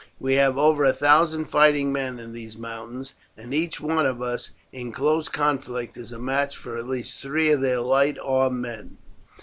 We have over a thousand fighting men in these mountains, and each one of us in close conflict is a match for at least three of their light armed men.